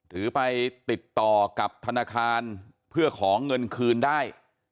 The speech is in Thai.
หรือไปติดต่อกับธนาคารเพื่อขอเงินคืนได้